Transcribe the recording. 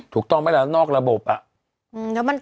ถูกต้องเมื่อการนอกระบบ